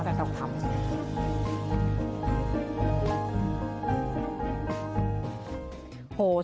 โหสุดยอดจริงนะคะคุณพ่อคุณพ่อคุณพ่อคุณพ่อ